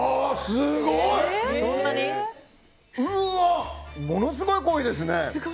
すごい！ものすごい濃いですね。